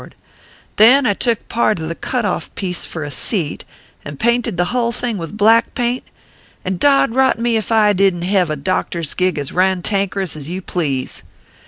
And then I took part of the cut off piece for a seat, and painted the hull thing with black paint ; and dod rot me if ef I didn t hev a doctor s gig as rantankerous as you please